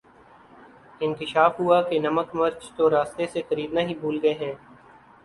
انکشاف ہوا کہ نمک مرچ تو راستے سے خریدنا ہی بھول گئے ہیں